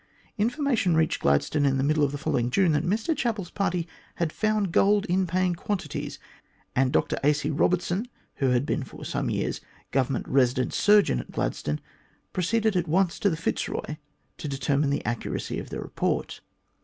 Information reached Gladstone in the middle of the following June that Mr Chapel's party had found gold in paying quantities, and Dr A. C. Eobertson, who had been for some years Government Eesident Surgeon at Gladstone, proceeded at once to the Fitzroy to determine the accuracy of the report.